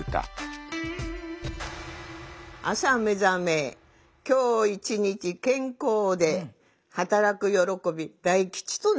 「朝めざめ今日一日健康で働くよろこび大吉となり」。